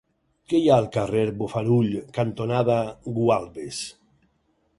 Què hi ha al carrer Bofarull cantonada Gualbes?